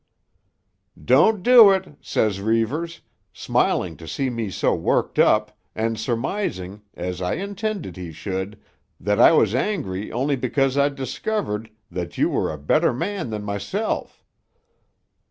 "'Don't do it,' says Reivers, smiling to see me so worked up, and surmising, as I intended he should, that I was angry only because I'd discovered that you were a better man than mysel'.